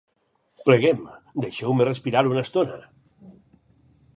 Pleguem: deixeu-me respirar una estona.